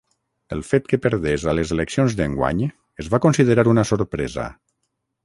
El fet que perdés a les eleccions d'enguany es va considerar una sorpresa.